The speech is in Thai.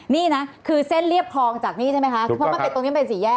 นี่นะคือเส้นเรียบคลองจากนี่ใช่ไหมคะเพราะมันเป็นตรงนี้เป็นสี่แยก